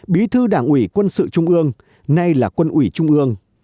bí thư đảng ủy quân sự trung ương nay là quân ủy trung ương